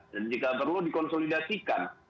dan jika perlu dikonsolidasikan